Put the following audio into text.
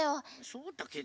そうだけどさ。